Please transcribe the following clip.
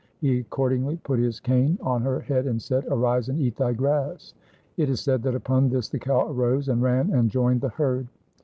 He accordingly put his cane on her head and said, 'Arise, and eat thy grass!' It is said that upon this the cow arose, and ran and joined the herd.